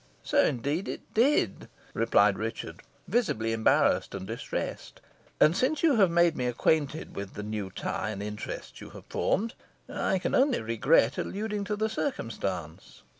"So, indeed, it did," replied Richard, visibly embarrassed and distressed. "And since you have made me acquainted with the new tie and interests you have formed, I can only regret alluding to the circumstance."